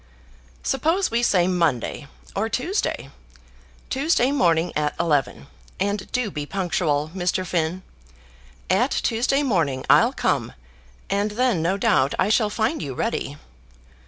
"Suppose we say Monday, or Tuesday. Tuesday morning at eleven. And do be punctual, Mr. Finn. At Tuesday morning I'll come, and then no doubt I shall find you ready."